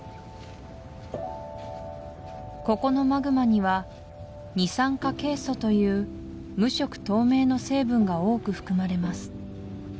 ここのマグマには二酸化ケイ素という無色透明の成分が多く含まれます